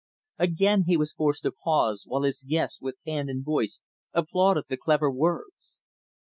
Again he was forced to pause, while his guests, with hand and voice, applauded the clever words.